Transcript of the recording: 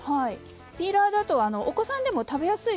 ピーラーだとお子さんでも食べやすい。